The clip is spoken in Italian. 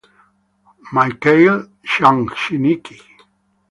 Michail Chmjal'nicki